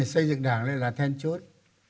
xây dựng đảng là then chốt